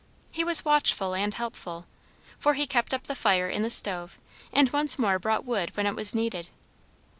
He was watchful and helpful; for he kept up the fire in the stove, and once more brought wood when it was needed.